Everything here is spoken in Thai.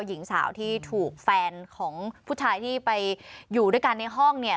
หญิงสาวที่ถูกแฟนของผู้ชายที่ไปอยู่ด้วยกันในห้องเนี่ย